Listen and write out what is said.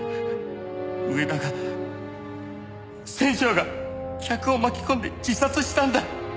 上田が船長が客を巻き込んで自殺したんだ。